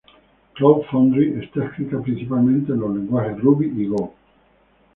Cloud Foundry está escrita principalmente en los lenguajes Ruby y Go.